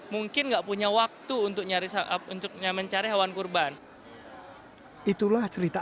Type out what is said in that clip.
mungkin nggak punya waktu untuk nyari sahab untuknya mencari hewan kurban itulah cerita